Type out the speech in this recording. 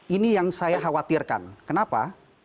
ini yang saya khawatirkan kenapa